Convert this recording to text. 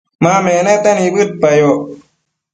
ma menete nibëdpayoc